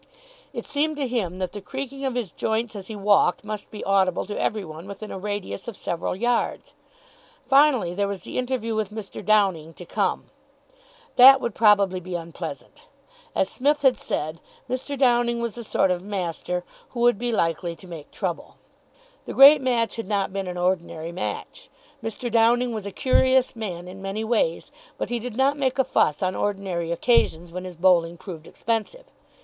It seemed to him that the creaking of his joints as he walked must be audible to every one within a radius of several yards. Finally, there was the interview with Mr. Downing to come. That would probably be unpleasant. As Psmith had said, Mr. Downing was the sort of master who would be likely to make trouble. The great match had not been an ordinary match. Mr. Downing was a curious man in many ways, but he did not make a fuss on ordinary occasions when his bowling proved expensive.